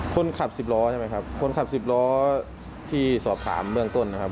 คนขับสิบล้อใช่ไหมครับคนขับสิบล้อที่สอบถามเบื้องต้นนะครับ